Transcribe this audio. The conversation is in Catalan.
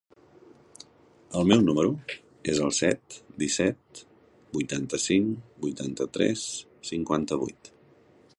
El meu número es el set, disset, vuitanta-cinc, vuitanta-tres, cinquanta-vuit.